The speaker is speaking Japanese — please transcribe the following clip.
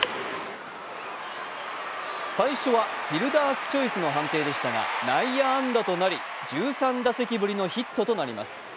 最初はフィルダースチョイスの判定でしたが内野安打となり、１３打席ぶりのヒットとなります。